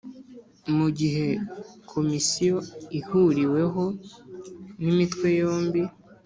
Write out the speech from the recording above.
Mu gihe Komisiyo ihuriweho n Imitwe yombi